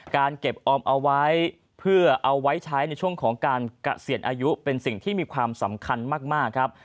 การเก็บออมเอาไว้เพื่อเอาไว้ใช้ในช่วงของการเกษียณอายุเป็นสิ่งที่มีความสำคัญมากครับ